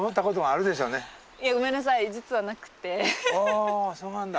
あそうなんだ。